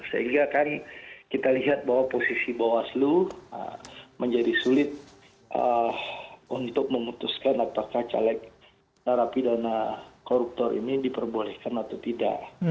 sehingga kan kita lihat bahwa posisi bawaslu menjadi sulit untuk memutuskan apakah caleg narapidana koruptor ini diperbolehkan atau tidak